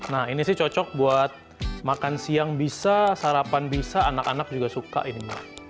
nah ini sih cocok buat makan siang bisa sarapan bisa anak anak juga suka ini